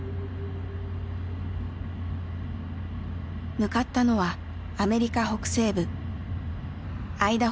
向かったのはアメリカ北西部。